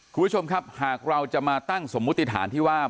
คุณผู้ชมครับหากเราจะมาตั้งสมมุติฐานที่ว่า